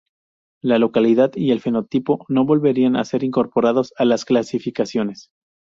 La localidad y el fenotipo no volverían a ser incorporados a las clasificaciones.